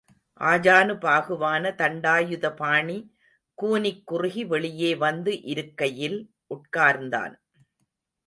ஆஜானுபாகுவான தண்டாயுதபாணி, கூனிக்குறுகி வெளியே வந்து இருக்கையில் உட்கார்ந்தான்.